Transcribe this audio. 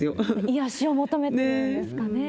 癒やしを求めてるんですかね。